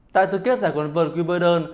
tại thư kết giải quản vật quyên bơ đơn